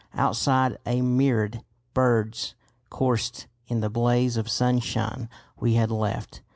Outside a myriad birds chorused in the blaze of sunshine we had left.